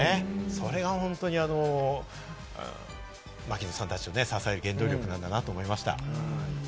それが本当に、槙野さんたちを支える原動力なんだなと思いました。